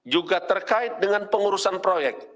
juga terkait dengan pengurusan proyek